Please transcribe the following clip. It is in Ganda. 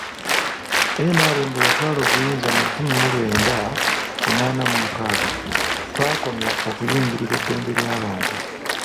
NRM bwe yatwala obuyinza mu lukumi mu lwenda kinaana mu mukaaga, twakomya okuyingirira eddembe ly'abantu.